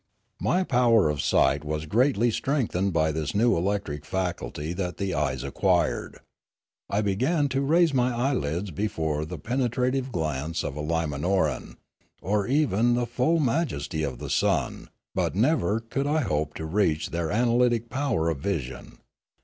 My power of sight was greatly strengthened by this new electric faculty that the eyes acquired. I began to raise my eyelids before the penetrative glance of a Limanoran, or even the full majesty of the sun; but never could I hope to reach their analytic power of vision.